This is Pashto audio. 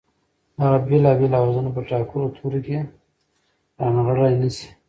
دغه بېلابېل آوازونه په ټاکلو تورو کې رانغاړلای نه شي